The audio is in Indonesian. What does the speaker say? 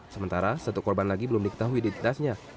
sementara satu korban lagi belum diketahui identitasnya